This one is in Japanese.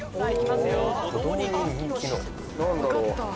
何だろう？